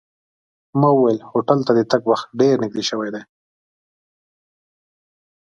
ما وویل هوټل ته د تګ وخت ډېر نږدې شوی دی.